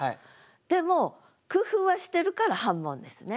でも工夫はしてるから半ボンですね。